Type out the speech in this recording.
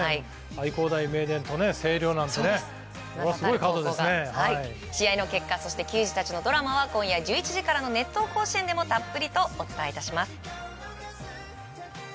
愛工大名電と星稜なんて試合の結果そして、球児たちのドラマは今夜１１時からの「熱闘甲子園」でもたっぷりとお伝えいたします。